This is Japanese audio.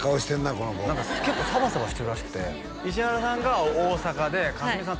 この子何か結構サバサバしてるらしくて石原さんが大阪で佳純さん